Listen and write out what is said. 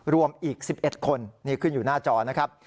รวมอีก๑๑คนนี่ขึ้นอยู่หน้าจอนะครับ